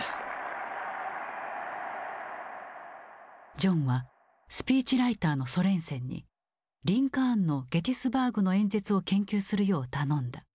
ジョンはスピーチライターのソレンセンにリンカーンのゲティスバーグの演説を研究するよう頼んだ。